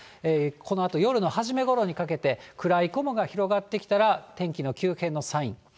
このあと夜の初め頃にかけて、暗い雲が広がってきたら、天気の急変のサイン。